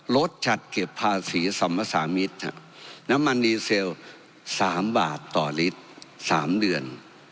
จัดเก็บภาษีสัมภาษามิตรน้ำมันดีเซล๓บาทต่อลิตร๓เดือน